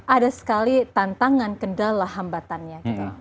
ada sekali tantangan kendala hambatannya